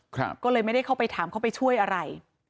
ก็เลยไม่ได้เข้าไปถามเข้าไปช่วยอะไร